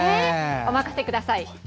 お任せください。